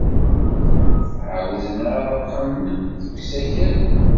Ɛawden ɛerqen deg usakal?